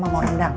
mama mau rendang